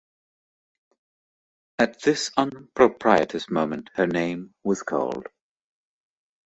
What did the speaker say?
At this unpropitious moment her name was called.